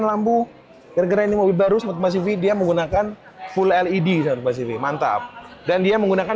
lampu gara gara ini mobil baru smart compas tv dia menggunakan full led smart compas tv mantap dan dia menggunakan